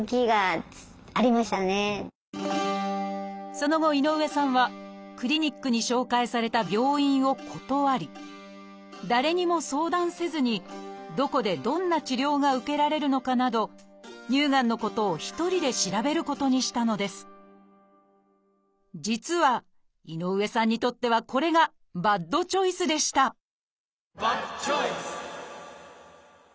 その後井上さんはクリニックに紹介された病院を断り誰にも相談せずにどこでどんな治療が受けられるのかなど乳がんのことを実は井上さんにとってはこれがバッドチョイスでしたバッドチョイス！